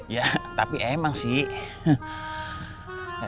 ya tapi emang sih